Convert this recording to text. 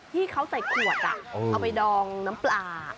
ที่เขาใส่ขวดเอาไปดองน้ำปลา